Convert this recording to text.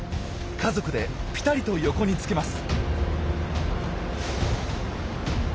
家族でぴたりと横につけます。